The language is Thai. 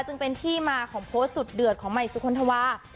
จึงเป็นที่มาของโพสต์สุดเดือดของใหม่สุคลธวา